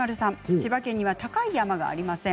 千葉県には高い山がありません。